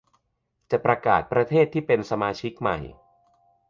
จะประกาศประเทศที่เป็นสมาชิกใหม่